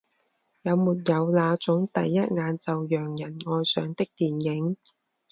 有没有那种第一眼就让人爱上的电影？